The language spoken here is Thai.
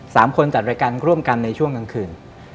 สามคนจัดรายการร่วมกันในช่วงกลางคืน